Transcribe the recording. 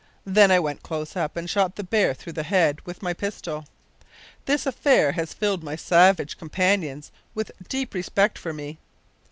Then I went close up and shot the bear through the head with my pistol. This affair has filled my savage companions with deep respect for me!"